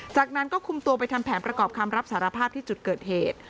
จากนั้นก็คุมตัวไปทำแผนประกอบคำรับสารภาพที่จุดเกิดเหตุ